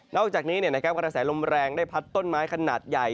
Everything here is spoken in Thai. อกจากนี้กระแสลมแรงได้พัดต้นไม้ขนาดใหญ่